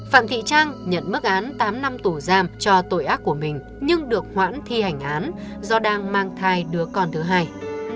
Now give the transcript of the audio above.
phạm thị trang nhận mức án tám năm tù giam cho tội ác của mình nhưng được hoãn thi hành án do đang mang thai đứa con thứ hai